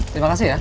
terima kasih ya